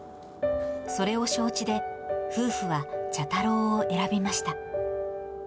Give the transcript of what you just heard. それを承知で、夫婦は茶太郎を選びました。